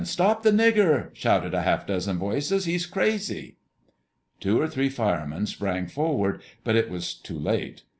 Stop the nigger!" shouted half a dozen voices. "He's crazy!" Two or three firemen sprang forward, but it was too late.